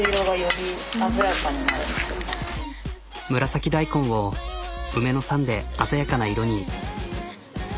紫大根を梅の酸で鮮やかな色に。